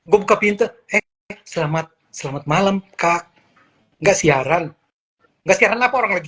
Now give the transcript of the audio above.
gue buka pintu hek selamat selamat malam kak enggak siaran nggak siaran apa orang lagi